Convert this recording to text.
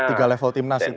tiga level timnas itu ya